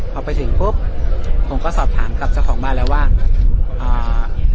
พอไปถึงปุ๊บผมก็สอบถามกับเจ้าของบ้านแล้วว่าอ่า